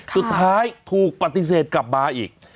สุดท้ายถูกปฏิเสธกลับมาอีก